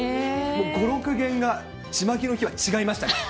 ５、６限が、ちまきの日は違いましたね。